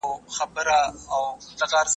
زه له سهاره موسيقي اورم.